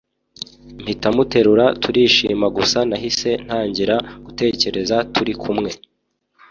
mpita muterura turishima gusa nahise ntangira gutekereza turi kumwe